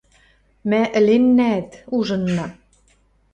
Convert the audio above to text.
Мӓ ӹленнӓӓт, ужынна.